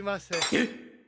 えっ？